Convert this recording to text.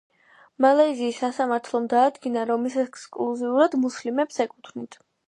მალაიზიის სასამართლომ დაადგინა რომ ის ექსკლუზიურად მუსლიმებს ეკუთვნით.